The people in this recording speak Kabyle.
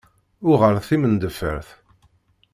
UƔal timendeffert!